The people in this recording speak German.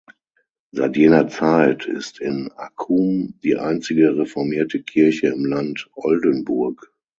Seit jener Zeit ist in Accum die einzige reformierte Kirche im Land Oldenburg.